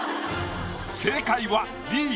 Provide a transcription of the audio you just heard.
正解はＢ。